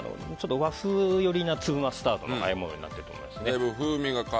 和風寄りの粒マスタードのあえ物になっていると思います。